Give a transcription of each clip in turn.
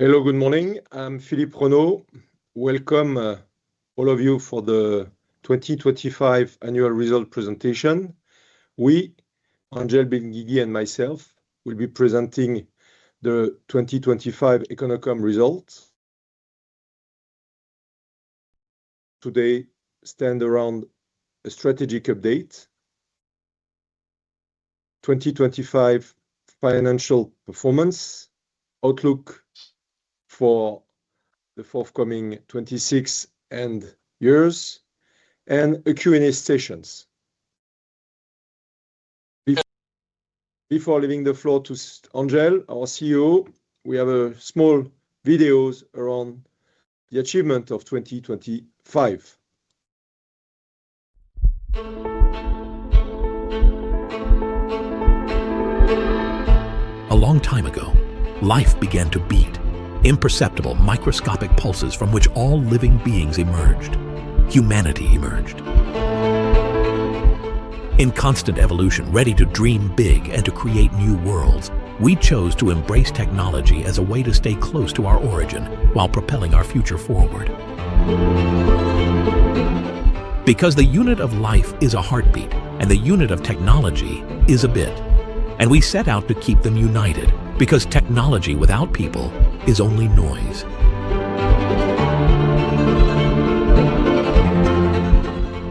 Hello, good morning. I'm Philippe Renauld. Welcome all of you for the 2025 Annual Result Presentation. We, Angel Benguigui and myself, will be presenting the 2025 Econocom Results. Today, stand around a strategic update, 2025 financial performance, outlook for the forthcoming 2026 and years, and a Q&A sessions. Before leaving the floor to Angel, our CEO, we have a small video around the achievement of 2025. A long time ago, life began to beat. Imperceptible, microscopic pulses from which all living beings emerged, humanity emerged. In constant evolution, ready to dream big and to create new worlds, we chose to embrace technology as a way to stay close to our origin while propelling our future forward. Because the unit of life is a heartbeat, and the unit of technology is a bit, and we set out to keep them united, because technology without people is only noise.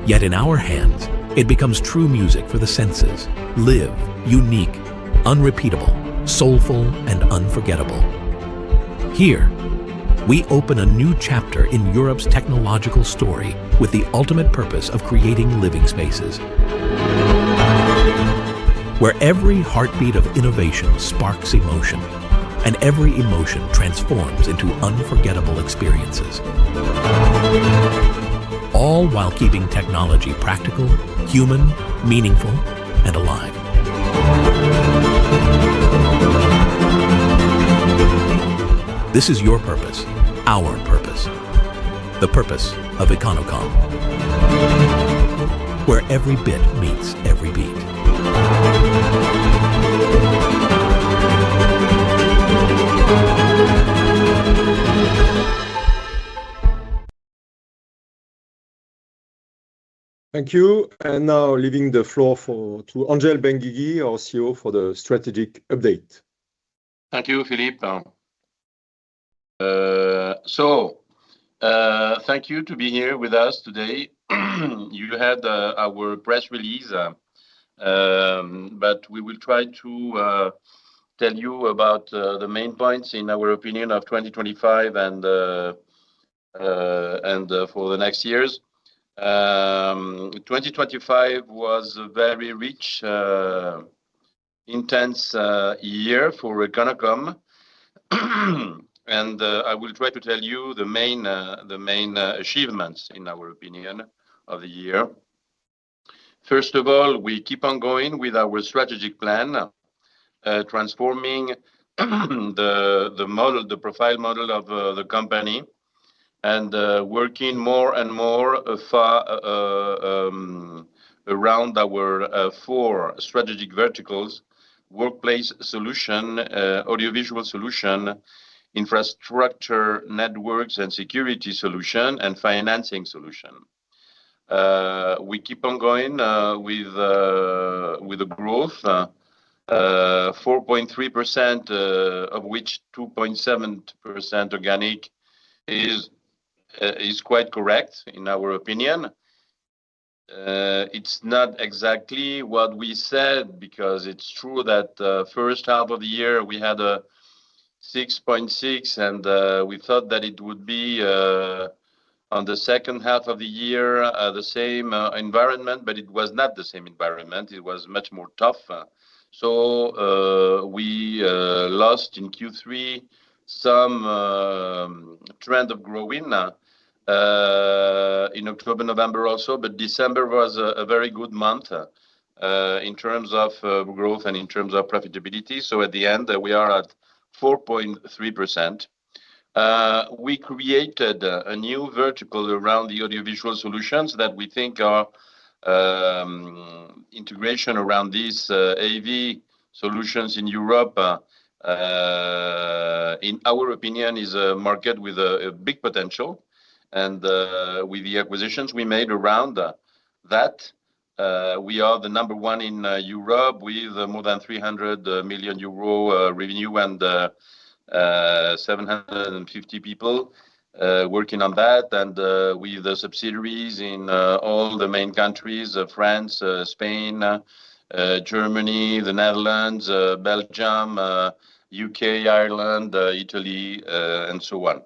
Yet in our hands, it becomes true music for the senses, live, unique, unrepeatable, soulful, and unforgettable. Here, we open a new chapter in Europe's technological story with the ultimate purpose of creating living spaces. Where every heartbeat of innovation sparks emotion, and every emotion transforms into unforgettable experiences, all while keeping technology practical, human, meaningful, and alive. This is your purpose, our purpose, the purpose of Econocom, where every bit meets every beat. Thank you, and now leaving the floor to Angel Benguigui, our CEO, for the strategic update. Thank you, Philippe. So, thank you to be here with us today. You had our press release, but we will try to tell you about the main points in our opinion of 2025 and for the next years. 2025 was a very rich, intense year for Econocom, and I will try to tell you the main achievements in our opinion of the year. First of all, we keep on going with our strategic plan, transforming the, the model, the profile model of the company and working more and more far around our four strategic verticals: workplace solution, audiovisual solution, infrastructure, networks and security solution, and financing solution. We keep on going with the growth 4.3%, of which 2.7% organic is quite correct, in our opinion. It's not exactly what we said, because it's true that first half of the year we had a 6.6, and we thought that it would be on the second half of the year the same environment, but it was not the same environment. It was much more tough. So we lost in Q3 some trend of growing in October, November, also, but December was a very good month in terms of growth and in terms of profitability. So at the end, we are at 4.3%. We created a new vertical around the audiovisual solutions that we think are integration around these AV solutions in Europe, in our opinion, is a market with a big potential. With the acquisitions we made around that, we are the number one in Europe, with more than 300 million euro revenue and 750 people working on that. With the subsidiaries in all the main countries, France, Spain, Germany, the Netherlands, Belgium, UK, Ireland, Italy, and so on.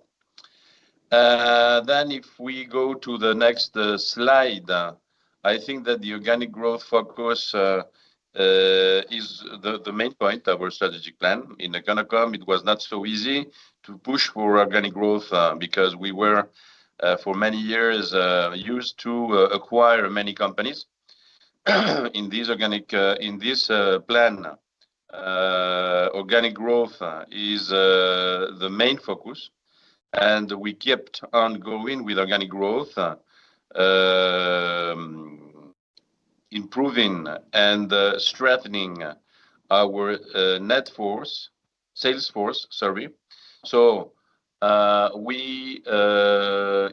Then if we go to the next slide, I think that the organic growth focus is the main point of our strategic plan. In Econocom, it was not so easy to push for organic growth, because we were for many years used to acquire many companies. In this plan, organic growth is the main focus, and we kept on going with organic growth, improving and strengthening our net force, sales force, sorry. So, we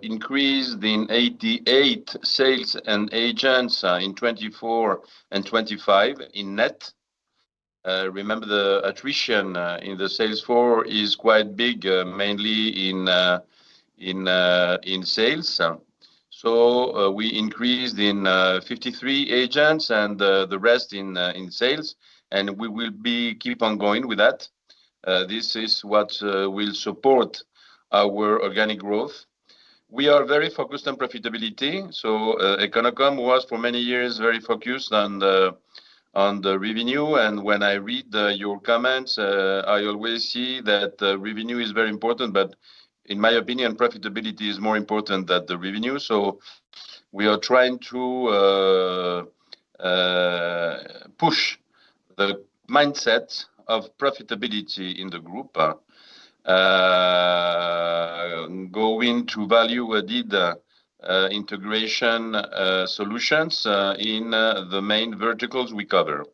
increased in 88 sales and agents in 2024 and 2025 in net. Remember, the attrition in the sales floor is quite big, mainly in sales. So, we increased in 53 agents and the rest in sales, and we will be keep on going with that. This is what will support our organic growth. We are very focused on profitability, so Econocom was, for many years, very focused on the, on the revenue. When I read your comments, I always see that revenue is very important, but in my opinion, profitability is more important than the revenue. We are trying to push the mindset of profitability in the group, going to value-added integration solutions in the main verticals we cover.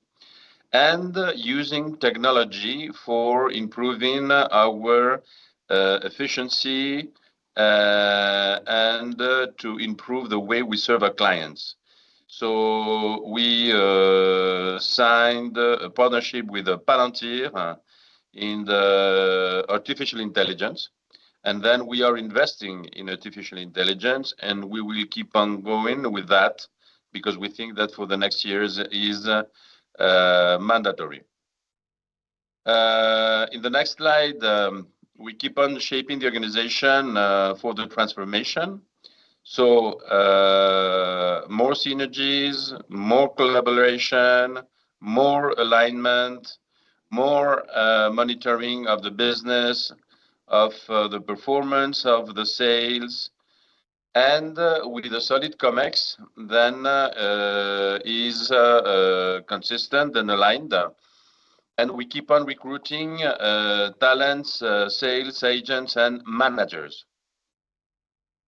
Using technology for improving our efficiency and to improve the way we serve our clients. We signed a partnership with Palantir in the artificial intelligence, and then we are investing in artificial intelligence, and we will keep on going with that because we think that for the next years, it is mandatory. In the next slide, we keep on shaping the organization for the transformation. So, more synergies, more collaboration, more alignment, more monitoring of the business, of the performance, of the sales. And with a solid ComEx, then is consistent and aligned. And we keep on recruiting talents, sales agents, and managers.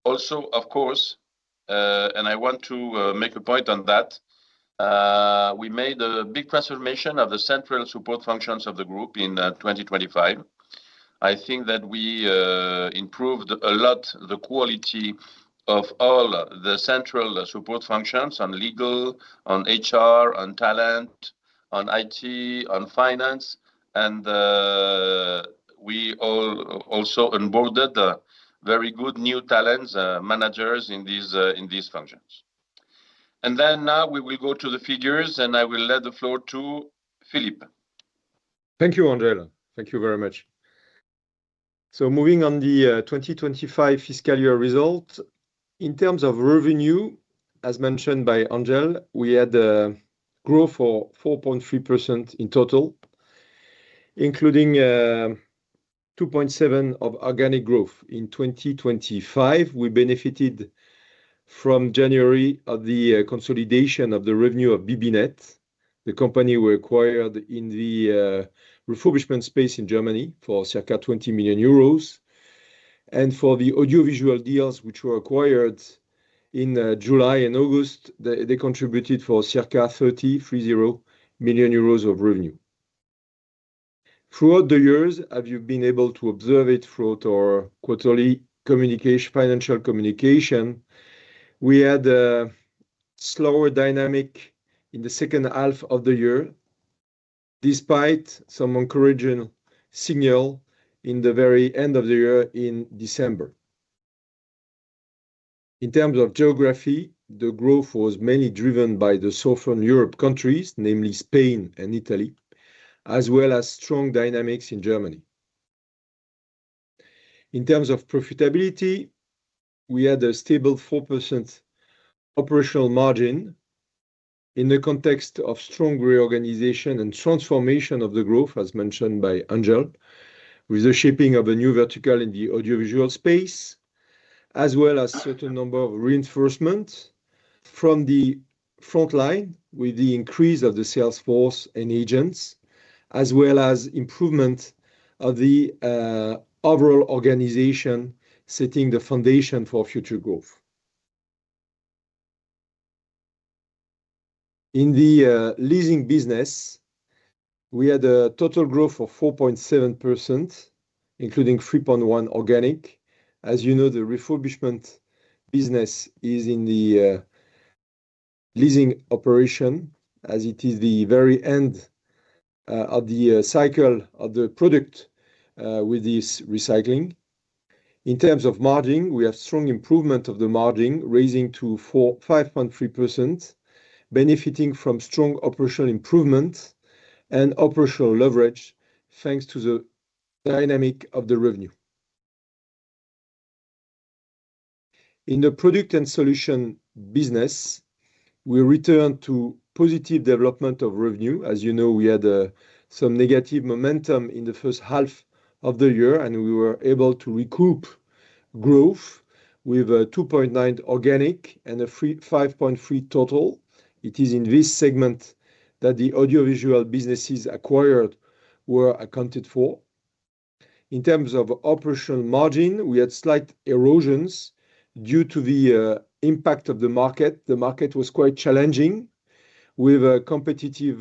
Also, of course, and I want to make a point on that, we made a big transformation of the central support functions of the group in 2025. I think that we improved a lot the quality of all the central support functions on legal, on HR, on talent, on IT, on finance, and we all also onboarded very good new talents, managers in these, in these functions. Now we will go to the figures, and I will let the floor to Philippe. Thank you, Angel. Thank you very much. So moving on the 2025 fiscal year result. In terms of revenue, as mentioned by Angel, we had a growth of 4.3% in total, including 2.7% of organic growth. In 2025, we benefited from January of the consolidation of the revenue of bb-net, the company we acquired in the refurbishment space in Germany for circa 20 million euros. And for the audiovisual deals, which were acquired in July and August, they contributed for circa 33 million euros of revenue. Throughout the years, have you been able to observe it throughout our quarterly communication, financial communication, we had a slower dynamic in the second half of the year, despite some encouraging signal in the very end of the year in December. In terms of geography, the growth was mainly driven by the Southern Europe countries, namely Spain and Italy, as well as strong dynamics in Germany. In terms of profitability, we had a stable 4% operational margin in the context of strong reorganization and transformation of the growth, as mentioned by Angel, with the shaping of a new vertical in the audiovisual space, as well as certain number of reinforcements from the frontline, with the increase of the sales force and agents, as well as improvement of the overall organization, setting the foundation for future growth. In the leasing business, we had a total growth of 4.7%, including 3.1% organic. As you know, the refurbishment business is in the leasing operation, as it is the very end of the cycle of the product with this recycling. In terms of margin, we have strong improvement of the margin, raising to 45.3%, benefiting from strong operational improvements and operational leverage, thanks to the dynamic of the revenue. In the product and solution business, we return to positive development of revenue. As you know, we had some negative momentum in the first half of the year, and we were able to recoup growth with a 2.9 organic and a 35.3 total. It is in this segment that the audiovisual businesses acquired were accounted for. In terms of operational margin, we had slight erosions due to the impact of the market. The market was quite challenging, with competitive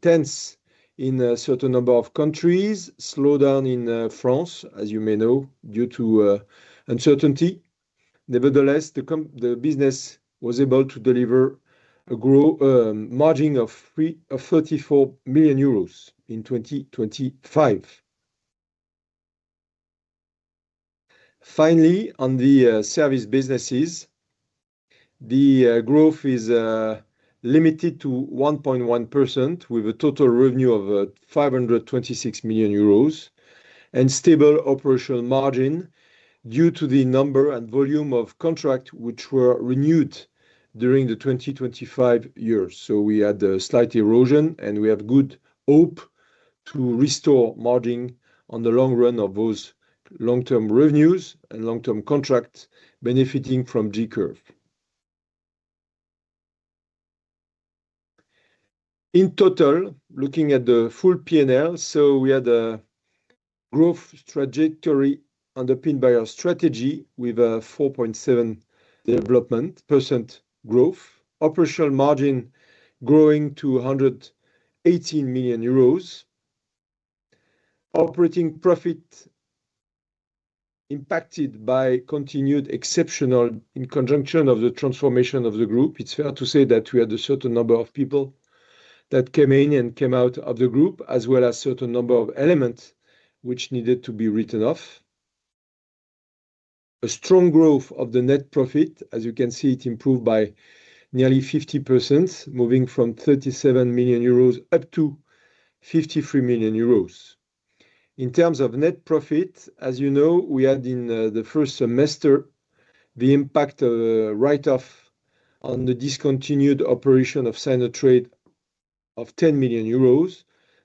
tensions in a certain number of countries. Slowdown in France, as you may know, due to uncertainty. Nevertheless, the business was able to deliver a margin of 34 million euros in 2025. Finally, on the service businesses, the growth is limited to 1.1%, with a total revenue of 526 million euros and stable operational margin due to the number and volume of contracts which were renewed during 2025. So we had a slight erosion, and we have good hope to restore margin on the long run of those long-term revenues and long-term contracts benefiting from J-curve. In total, looking at the full P&L, so we had a growth trajectory underpinned by our strategy, with a 4.7% development growth. Operational margin growing to 118 million euros. Operating profit impacted by continued exceptional in conjunction of the transformation of the group. It's fair to say that we had a certain number of people that came in and came out of the group, as well as certain number of elements which needed to be written off. A strong growth of the net profit. As you can see, it improved by nearly 50%, moving from 37 million euros up to 53 million euros. In terms of net profit, as you know, we had in the first semester, the impact of a write-off on the discontinued operation of Synertrade of 10 million euros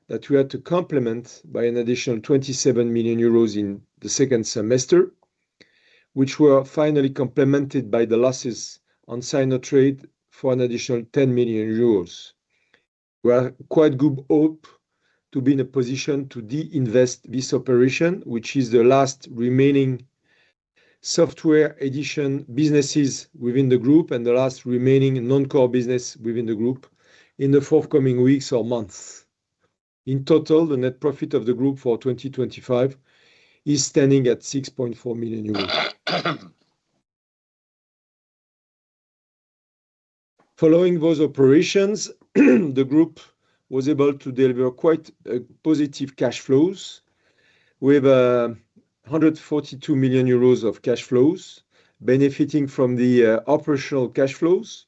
that we had to complement by an additional 27 million euros in the second semester, which were finally complemented by the losses on Synertrade for an additional 10 million euros. We are quite good hope to be in a position to de-invest this operation, which is the last remaining software edition businesses within the group and the last remaining non-core business within the group in the forthcoming weeks or months. In total, the net profit of the group for 2025 is standing at EUR 6.4 million. Following those operations, the group was able to deliver quite a positive cash flows, with 142 million euros of cash flows, benefiting from the operational cash flows,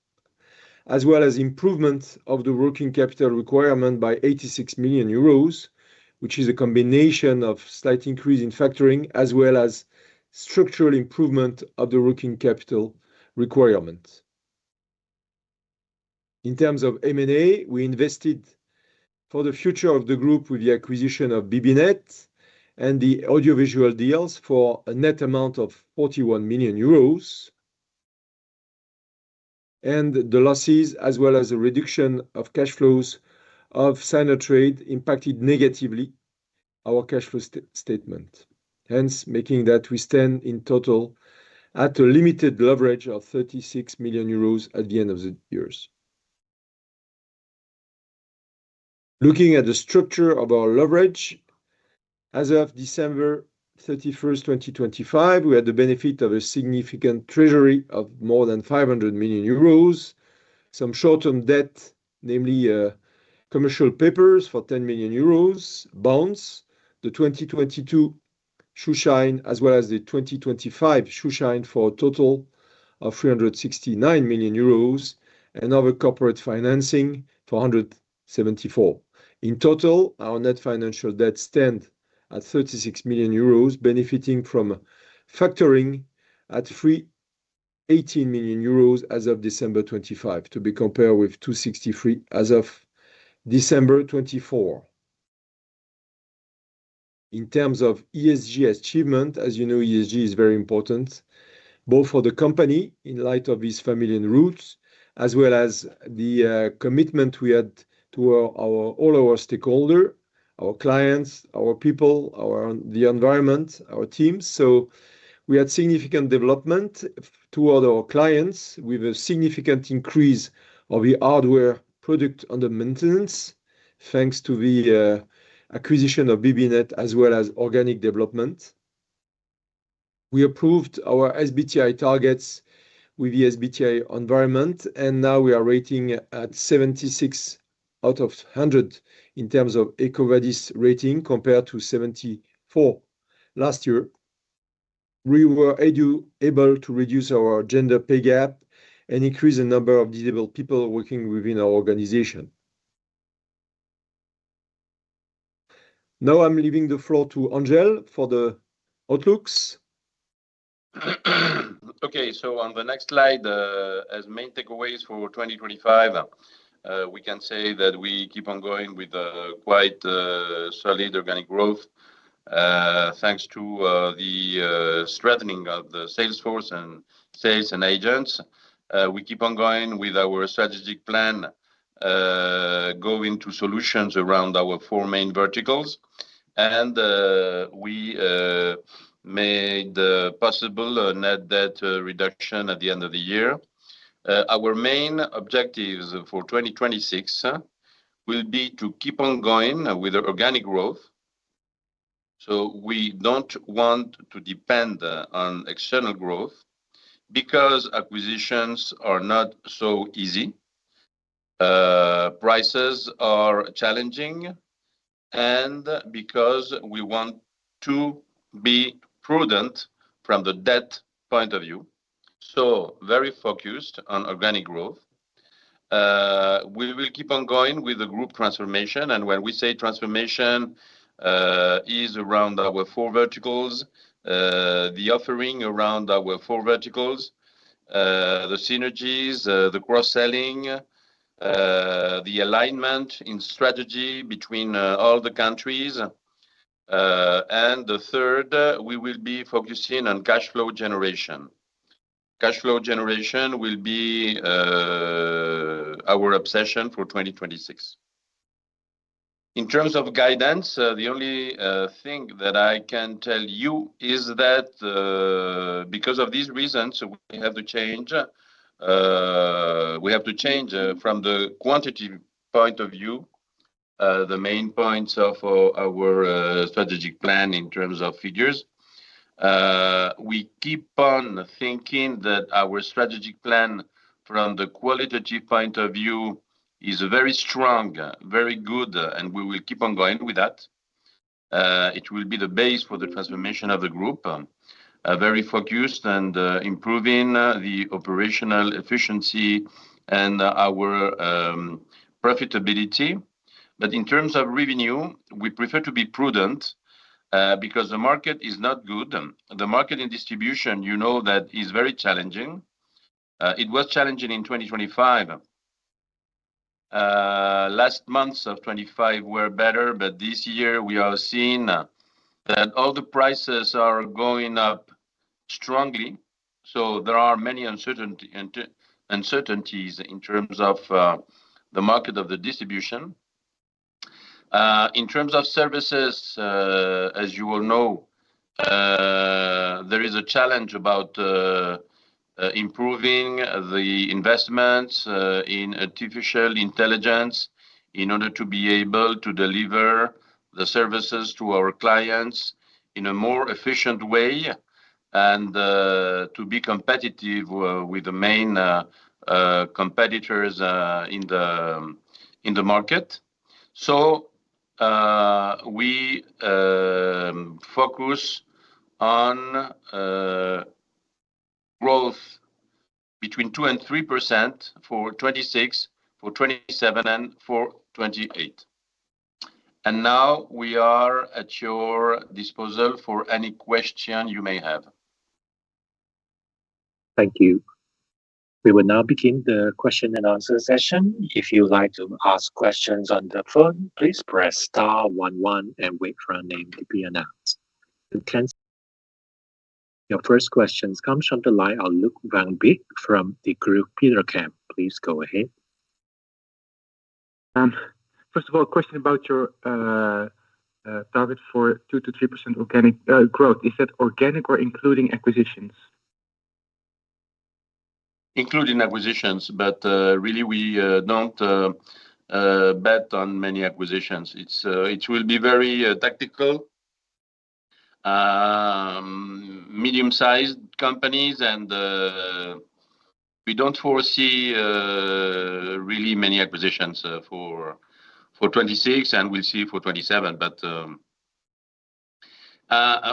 as well as improvement of the working capital requirement by 86 million euros, which is a combination of slight increase in factoring, as well as structural improvement of the working capital requirement. In terms of M&A, we invested for the future of the group with the acquisition of bb-net and the audiovisual deals for a net amount of 41 million euros. The losses, as well as the reduction of cash flows of Synertrade, impacted negatively our cash flow statement, hence, making that we stand in total at a limited leverage of 36 million euros at the end of the years. Looking at the structure of our leverage, as of December 31, 2025, we had the benefit of a significant treasury of more than 500 million euros, some short-term debt, namely, commercial papers for 10 million euros, bonds, the 2022 Schuldschein, as well as the 2025 Schuldschein for a total of 369 million euros and other corporate financing for 174 million. In total, our net financial debt stands at 36 million euros, benefiting from factoring at 318 million euros as of December 2025, to be compared with 263 as of December 2024. In terms of ESG achievement, as you know, ESG is very important, both for the company in light of its family and roots, as well as the commitment we had to our all our stakeholder, our clients, our people, our the environment, our teams. So we had significant development toward our clients, with a significant increase of the hardware product under maintenance, thanks to the acquisition of bb-net, as well as organic development. We approved our SBTi targets with the SBTi environment, and now we are rating at 76 out of 100 in terms of EcoVadis rating, compared to 74 last year. We were able to reduce our gender pay gap and increase the number of disabled people working within our organization. Now, I'm leaving the floor to Angel for the outlooks. Okay, so on the next slide, as main takeaways for 2025, we can say that we keep on going with quite solid organic growth, thanks to the strengthening of the sales force and sales and agents. We keep on going with our strategic plan, go into solutions around our four main verticals. And we made possible a net debt reduction at the end of the year. Our main objectives for 2026 will be to keep on going with organic growth. So we don't want to depend on external growth because acquisitions are not so easy. Prices are challenging and because we want to be prudent from the debt point of view, so very focused on organic growth. We will keep on going with the group transformation, and when we say transformation, is around our four verticals, the offering around our four verticals, the synergies, the cross-selling, the alignment in strategy between all the countries. And the third, we will be focusing on cash flow generation. Cash flow generation will be our obsession for 2026. In terms of guidance, the only thing that I can tell you is that, because of these reasons, we have to change, we have to change, from the quantity point of view, the main points of our strategic plan in terms of figures. We keep on thinking that our strategic plan from the qualitative point of view is very strong, very good, and we will keep on going with that. It will be the base for the transformation of the group, very focused and improving the operational efficiency and our profitability. But in terms of revenue, we prefer to be prudent, because the market is not good. The market in distribution, you know, that is very challenging. It was challenging in 2025. Last months of 2025 were better, but this year we are seeing that all the prices are going up strongly. So there are many uncertainties in terms of the market of the distribution. In terms of services, as you all know, there is a challenge about improving the investments in artificial intelligence in order to be able to deliver the services to our clients in a more efficient way and to be competitive with the main competitors in the market. So, we focus on growth between 2% and 3% for 2026, for 2027, and for 2028. And now we are at your disposal for any question you may have. Thank you. We will now begin the question and answer session. If you'd like to ask questions on the phone, please press star one, one and wait for your name to be announced. Your first question comes from the line of Luuk Van Beek from Degroof Petercam. Please go ahead. First of all, a question about your target for 2%-3% organic growth. Is that organic or including acquisitions? Including acquisitions, but really, we don't bet on many acquisitions. It's it will be very tactical medium-sized companies, and we don't foresee really many acquisitions for 2026, and we'll see for 2027. But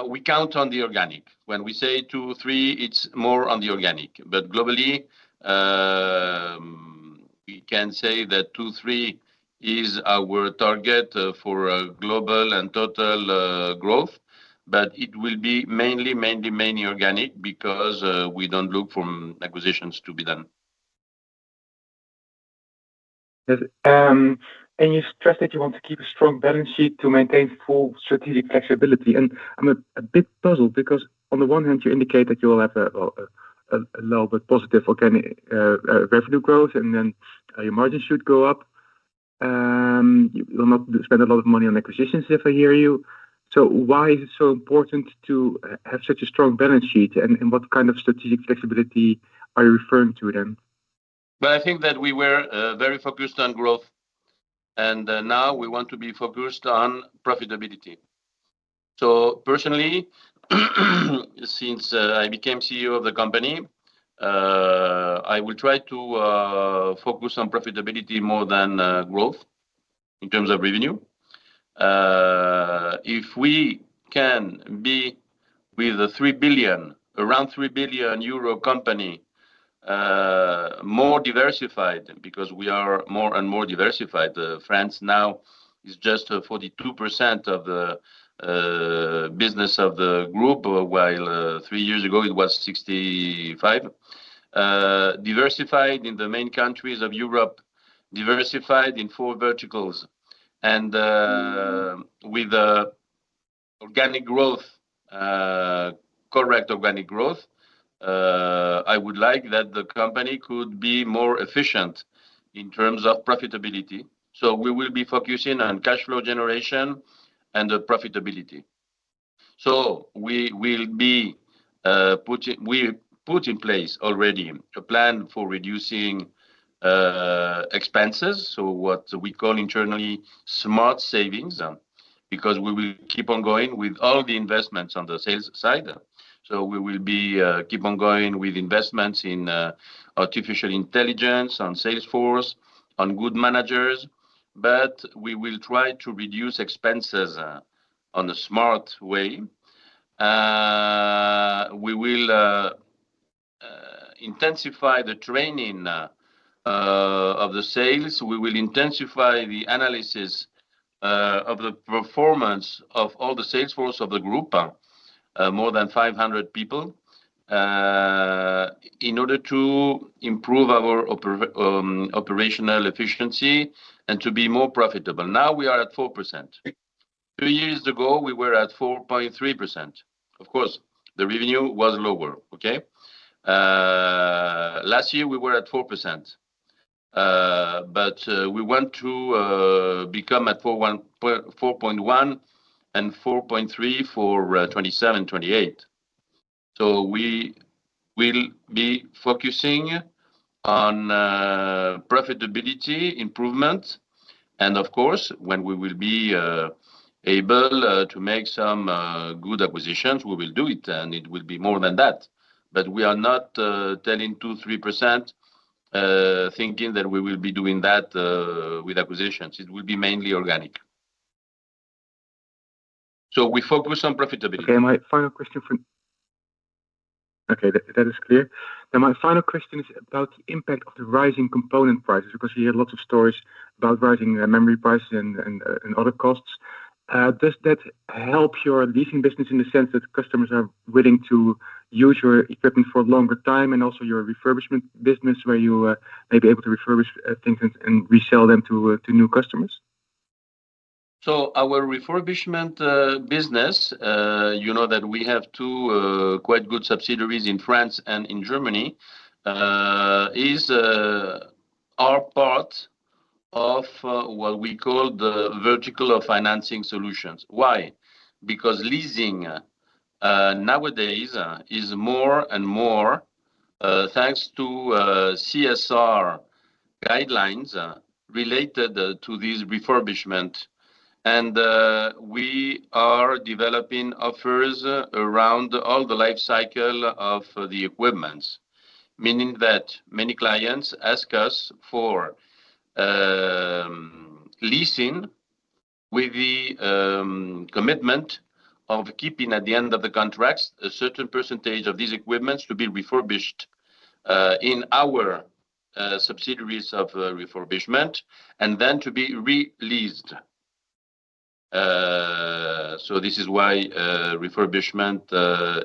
we count on the organic. When we say 2-3, it's more on the organic, but globally, we can say that 2-3 is our target for global and total growth. But it will be mainly, mainly, mainly organic, because we don't look for acquisitions to be done. Yes. And you stressed that you want to keep a strong balance sheet to maintain full strategic flexibility. And I'm a bit puzzled, because on the one hand, you indicate that you will have a little bit positive organic revenue growth, and then your margins should go up. You will not spend a lot of money on acquisitions if I hear you. So why is it so important to have such a strong balance sheet, and what kind of strategic flexibility are you referring to then? Well, I think that we were very focused on growth, and now we want to be focused on profitability. So personally, since I became CEO of the company, I will try to focus on profitability more than growth in terms of revenue. If we can be with a 3 billion, around 3 billion euro company, more diversified, because we are more and more diversified. France now is just 42% of the business of the group, while 3 years ago it was 65%. Diversified in the main countries of Europe, diversified in 4 verticals and with organic growth, correct organic growth. I would like that the company could be more efficient in terms of profitability. So we will be focusing on cash flow generation and the profitability. So we will be we put in place already a plan for reducing expenses, so what we call internally smart savings, because we will keep on going with all the investments on the sales side. So we will be keep on going with investments in artificial intelligence, on Salesforce, on good managers, but we will try to reduce expenses on a smart way. We will intensify the training of the sales. We will intensify the analysis of the performance of all the salesforce of the group, more than 500 people, in order to improve our operational efficiency and to be more profitable. Now we are at 4%. Two years ago, we were at 4.3%. Of course, the revenue was lower, okay? Last year we were at 4%, but we want to become at 4.1%...4.1% and 4.3% for 2027-2028. So we will be focusing on profitability improvement, and of course, when we will be able to make some good acquisitions, we will do it, and it will be more than that. But we are not telling 2-3%, thinking that we will be doing that with acquisitions. It will be mainly organic. So we focus on profitability. Okay, that is clear. Now, my final question is about the impact of the rising component prices, because we hear lots of stories about rising memory prices and other costs. Does that help your leasing business in the sense that customers are willing to use your equipment for longer time, and also your refurbishment business, where you may be able to refurbish things and resell them to new customers? So our refurbishment business, you know, that we have two quite good subsidiaries in France and in Germany, is our part of what we call the vertical of financing solutions. Why? Because leasing nowadays is more and more, thanks to CSR guidelines, related to this refurbishment, and we are developing offers around all the life cycle of the equipments. Meaning that many clients ask us for leasing with the commitment of keeping at the end of the contracts, a certain percentage of these equipments to be refurbished in our subsidiaries of refurbishment, and then to be re-leased. So this is why refurbishment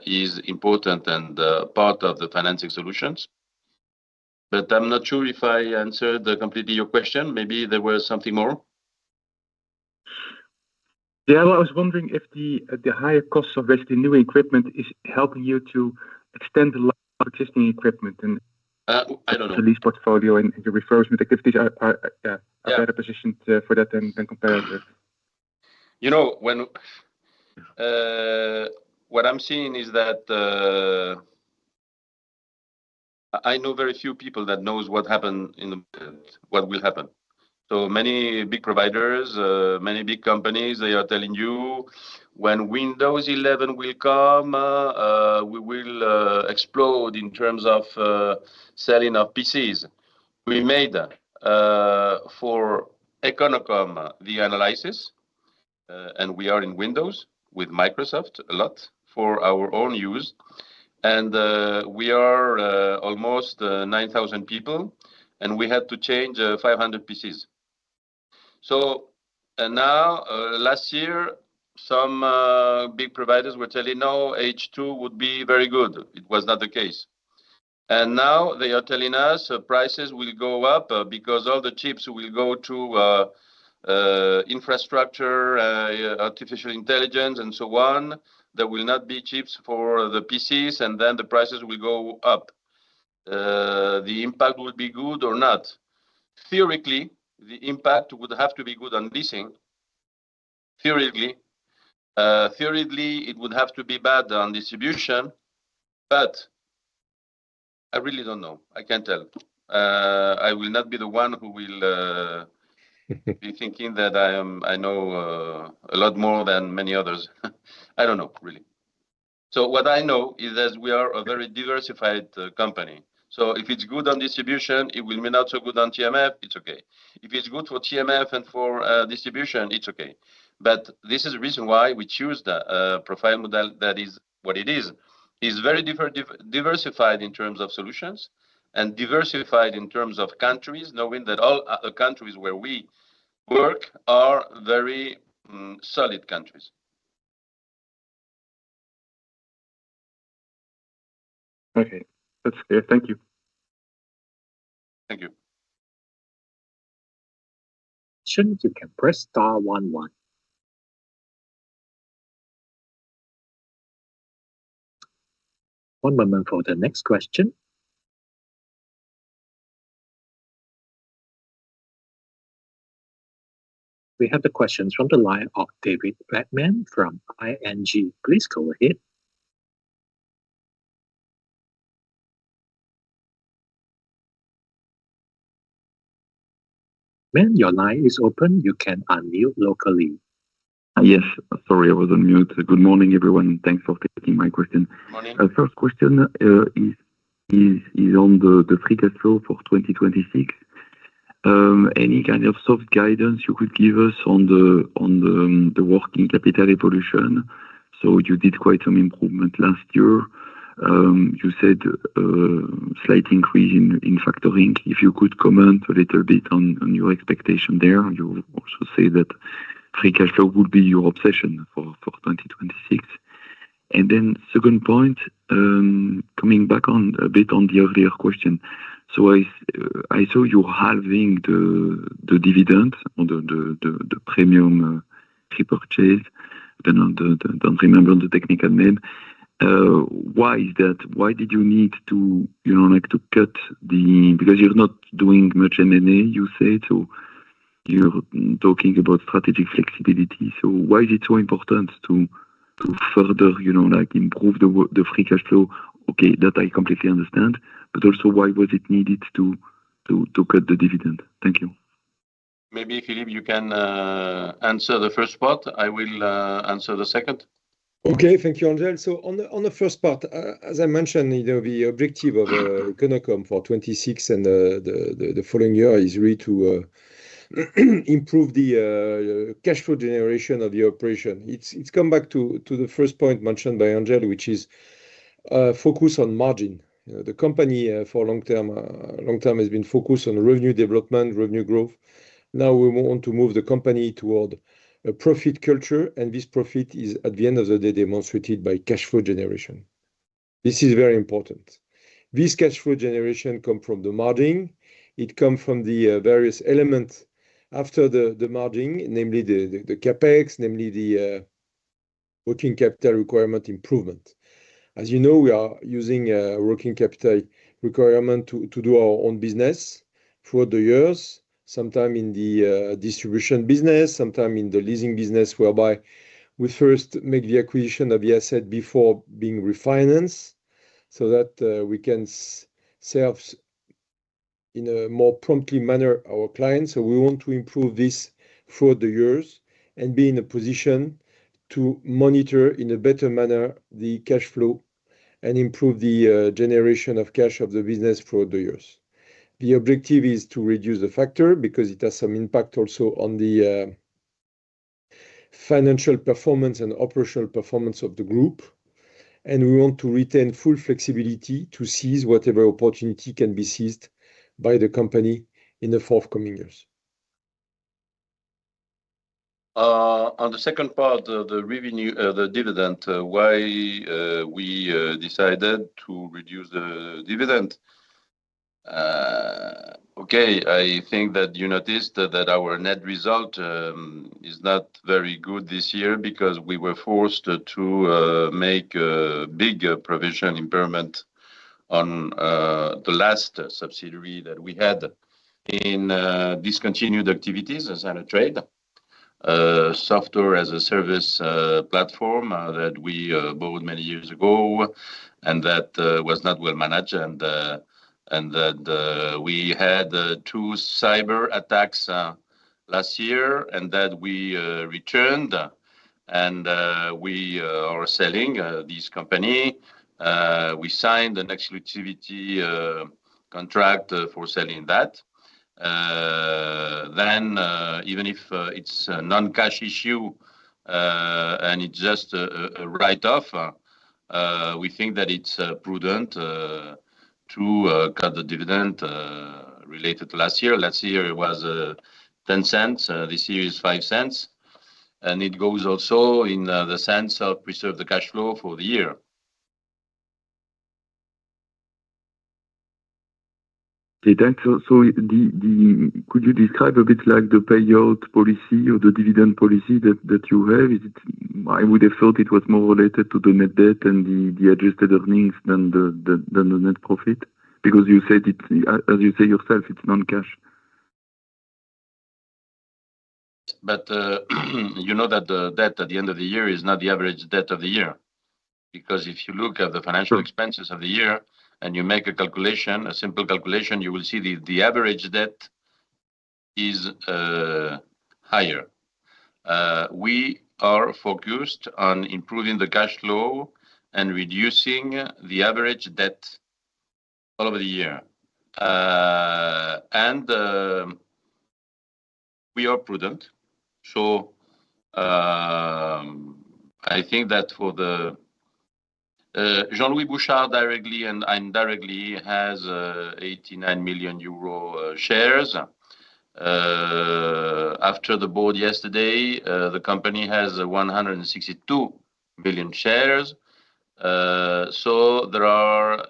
is important and part of the financing solutions. But I'm not sure if I answered completely your question. Maybe there was something more? Yeah, well, I was wondering if the higher costs of basically new equipment is helping you to extend the life of existing equipment and- I don't know.... the lease portfolio and the refurbishment activities are, yeah- Yeah are better positioned, for that than, than competitors. You know, when... What I'm seeing is that, I know very few people that knows what happened in the... What will happen. So many big providers, many big companies, they are telling you, "When Windows 11 will come, we will explode in terms of selling our PCs." We made, for Econocom, the analysis, and we are in Windows with Microsoft a lot for our own use, and we are almost 9,000 people, and we had to change 500 PCs. So, and now, last year, some big providers were telling, "No, H2 would be very good." It was not the case. And now they are telling us prices will go up, because all the chips will go to infrastructure, artificial intelligence, and so on. There will not be chips for the PCs, and then the prices will go up. The impact will be good or not? Theoretically, the impact would have to be good on leasing. Theoretically. Theoretically, it would have to be bad on distribution, but I really don't know. I can't tell. I will not be the one who will be thinking that I am... I know a lot more than many others. I don't know, really. So what I know is that we are a very diversified company. So if it's good on distribution, it will be not so good on TMF, it's okay. If it's good for TMF and for distribution, it's okay. But this is the reason why we choose the profile model that is what it is. It's very diversified in terms of solutions and diversified in terms of countries, knowing that all other countries where we work are very solid countries.... Okay, that's clear. Thank you. Thank you. Should you can press star one, one. One moment for the next question. We have the questions from the line of David Vagman from ING. Please go ahead. Vagman, your line is open. You can unmute locally. Yes, sorry, I was on mute. Good morning, everyone, and thanks for taking my question. Morning. First question is on the free cash flow for 2026. Any kind of soft guidance you could give us on the working capital evolution? So you did quite some improvement last year. You said slight increase in factoring. If you could comment a little bit on your expectation there. You also say that free cash flow will be your obsession for 2026. And then second point, coming back a bit on the earlier question. So I saw you halving the dividend on the premium share purchase. I don't know, don't remember the technical name. Why is that? Why did you need to, you know, like, to cut the... Because you're not doing much M&A, you say, so you're talking about strategic flexibility. Why is it so important to further, you know, like, improve the free cash flow? Okay, that I completely understand, but also, why was it needed to cut the dividend? Thank you. Maybe, Philippe, you can answer the first part. I will answer the second. Okay. Thank you, Angel. So on the first part, as I mentioned, you know, the objective of Econocom for 2026 and the following year is really to improve the cash flow generation of the operation. It's come back to the first point mentioned by Angel, which is focus on margin. You know, the company for the long term has been focused on revenue development, revenue growth. Now, we want to move the company toward a profit culture, and this profit is, at the end of the day, demonstrated by cash flow generation. This is very important. This cash flow generation come from the margin. It come from the various elements after the margin, namely the CapEx, namely the working capital requirement improvement. As you know, we are using a working capital requirement to do our own business throughout the years, sometime in the distribution business, sometime in the leasing business, whereby we first make the acquisition of the asset before being refinanced, so that we can serve in a more promptly manner our clients. So we want to improve this throughout the years and be in a position to monitor, in a better manner, the cash flow and improve the generation of cash of the business throughout the years. The objective is to reduce the factor because it has some impact also on the financial performance and operational performance of the group, and we want to retain full flexibility to seize whatever opportunity can be seized by the company in the forthcoming years. On the second part, the revenue, the dividend, why we decided to reduce the dividend? Okay, I think that you noticed that our net result is not very good this year because we were forced to make a big provision impairment on the last subsidiary that we had in discontinued activities as Synertrade, software as a service platform, that we bought many years ago and that was not well managed. And that we had two cyberattacks last year, and that we returned and we are selling this company. We signed an exclusivity contract for selling that. Then, even if it's a non-cash issue, and it's just a write-off, we think that it's prudent to cut the dividend related to last year. Last year it was 0.10, this year is 0.05, and it goes also in the sense of preserve the cash flow for the year. Okay, thank you. So... Could you describe a bit like the payout policy or the dividend policy that you have? Is it-- I would have thought it was more related to the net debt and the adjusted earnings than the net profit, because you said it, as you say yourself, it's non-cash. But, you know that the debt at the end of the year is not the average debt of the year, because if you look at the financial- Sure... expenses of the year and you make a calculation, a simple calculation, you will see the average debt is higher. We are focused on improving the cash flow and reducing the average debt all over the year. And we are prudent. So, I think that for the Jean-Louis Bouchard, directly and indirectly, has 89 million EUR shares. After the board yesterday, the company has 162 billion shares. So there are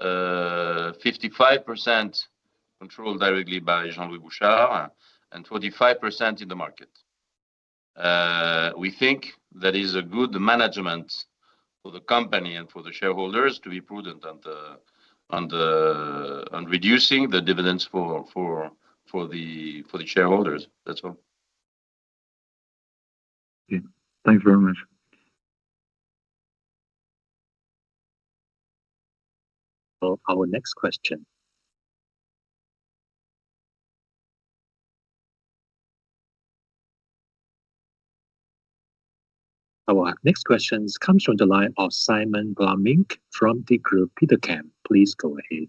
55% controlled directly by Jean-Louis Bouchard and 45% in the market. We think that is a good management for the company and for the shareholders to be prudent on reducing the dividends for the shareholders. That's all. Okay. Thanks very much. Our next question comes from the line of Simon Vlaminck from Degroof Petercam. Please go ahead.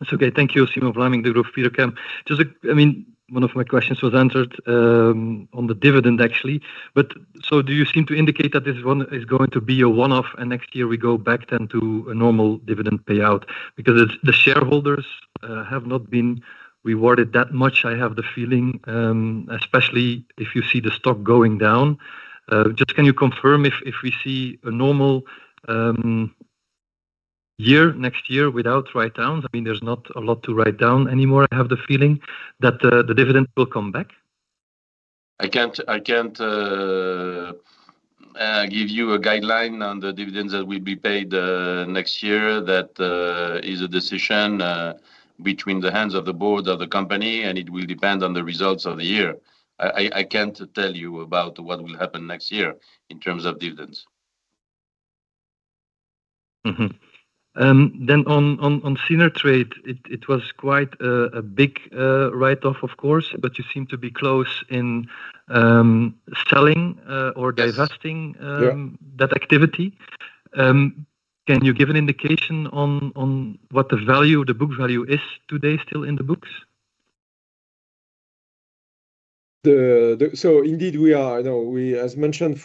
That's okay. Thank you, Simon Vlaminck from Degroof Petercam. Just, I mean, one of my questions was answered on the dividend, actually. But so do you seem to indicate that this one is going to be a one-off, and next year we go back then to a normal dividend payout? Because it's the shareholders have not been rewarded that much, I have the feeling, especially if you see the stock going down. Just can you confirm if we see a normal year next year without write-downs? I mean, there's not a lot to write down anymore. I have the feeling that the dividend will come back. I can't give you a guideline on the dividends that will be paid next year. That is a decision between the hands of the board of the company, and it will depend on the results of the year. I can't tell you about what will happen next year in terms of dividends. Mm-hmm. Then on Synertrade, it was quite a big write-off, of course, but you seem to be close in selling or divesting- Yeah... that activity. Can you give an indication on, on what the value, the book value is today, still in the books? So indeed we are. No, we, as mentioned,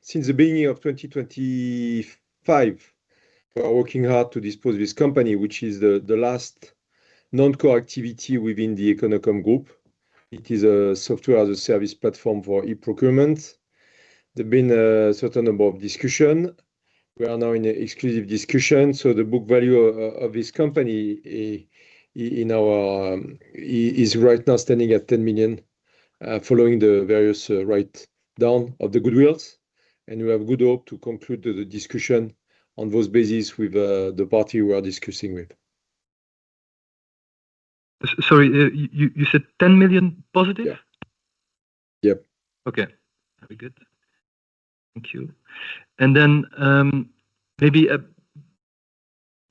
since the beginning of 2025, we are working hard to dispose this company, which is the last non-core activity within the Econocom Group. It is a software as a service platform for e-procurement. There's been a certain number of discussion. We are now in an exclusive discussion, so the book value of this company in our is right now standing at 10 million, following the various write-down of the goodwills, and we have good hope to conclude the discussion on those basis with the party we are discussing with. Sorry, you said 10 million positive? Yeah. Yep. Okay, very good. Thank you. And then, maybe,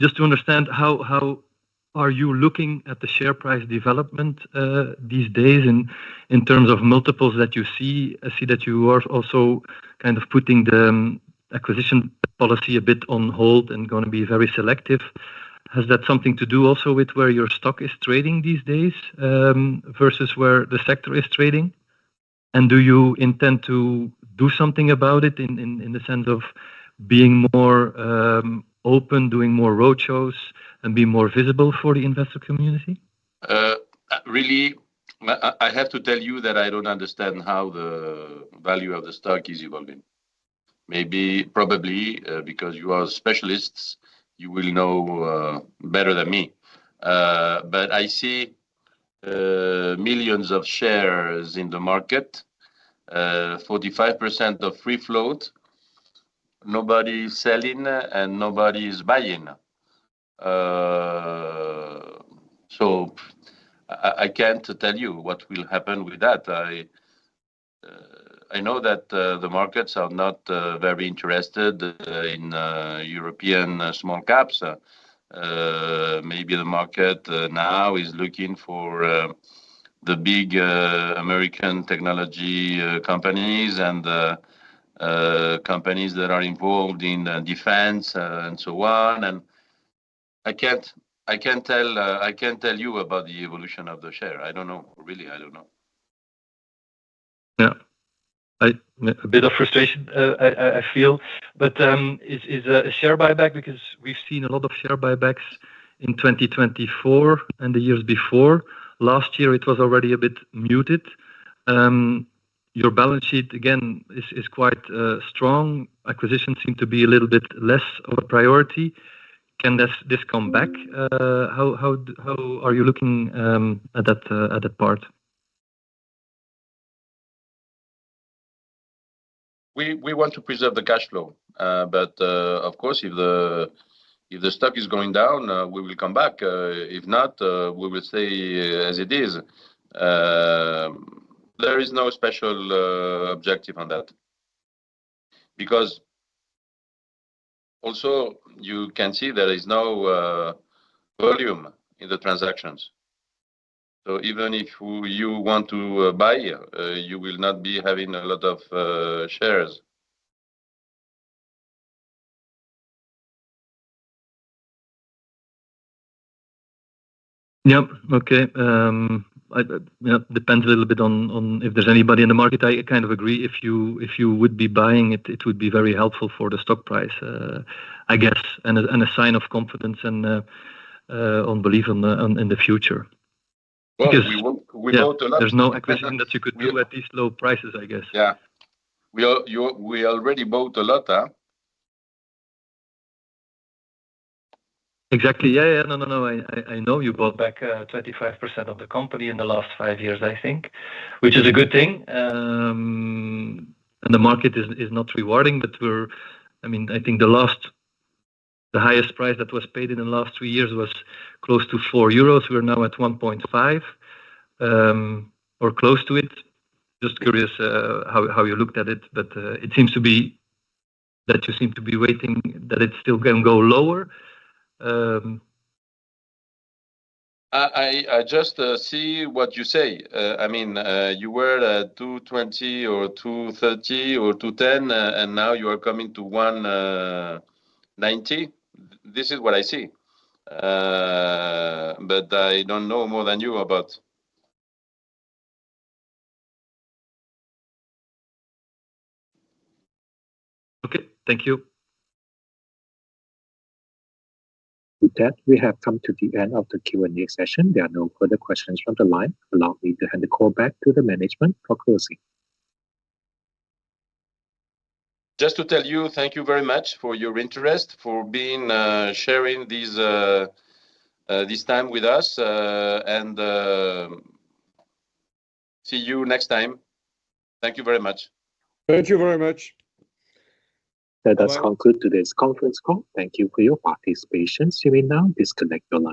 just to understand how, how are you looking at the share price development, these days in, in terms of multiples that you see? I see that you are also kind of putting the acquisition policy a bit on hold and gonna be very selective. Has that something to do also with where your stock is trading these days, versus where the sector is trading? And do you intend to do something about it in, in, in the sense of being more, open, doing more roadshows, and being more visible for the investor community? Really, I have to tell you that I don't understand how the value of the stock is evolving. Maybe, probably, because you are specialists, you will know better than me. But I see millions of shares in the market, 45% of Free Float. Nobody is selling, and nobody is buying. So I can't tell you what will happen with that. I know that the markets are not very interested in European small caps. Maybe the market now is looking for the big American technology companies and companies that are involved in defense and so on. And I can't tell you about the evolution of the share. I don't know. Really, I don't know. Yeah. A bit of frustration, I feel, but is a share buyback because we've seen a lot of share buybacks in 2024 and the years before. Last year, it was already a bit muted. Your balance sheet, again, is quite strong. Acquisitions seem to be a little bit less of a priority. Can this come back? How are you looking at that part? We want to preserve the cash flow. But of course, if the stock is going down, we will come back. If not, we will stay as it is. There is no special objective on that because also you can see there is no volume in the transactions. So even if you want to buy, you will not be having a lot of shares. Yep. Okay. Yeah, it depends a little bit on if there's anybody in the market. I kind of agree. If you would be buying it, it would be very helpful for the stock price, I guess, and a sign of confidence and on belief in the future. Well, we bought a lot. There's no acquisition that you could do at these low prices, I guess. Yeah. We all, we already bought a lot. Exactly. Yeah, yeah. No, no, no, I know you bought back 25% of the company in the last five years, I think, which is a good thing. And the market is not rewarding, but we're—I mean, I think the last, the highest price that was paid in the last two years was close to 4 euros. We are now at 1.5, or close to it. Just curious, how you looked at it, but it seems to be that you seem to be waiting, that it still can go lower. I just see what you say. I mean, you were at 220 or 230 or 210, and now you are coming to 190. This is what I see. But I don't know more than you about. Okay, thank you. With that, we have come to the end of the Q&A session. There are no further questions from the line. Allow me to hand the call back to the management for closing. Just to tell you, thank you very much for your interest, for being, sharing this time with us. See you next time. Thank you very much. Thank you very much. That does conclude today's conference call. Thank you for your participation. You may now disconnect your line.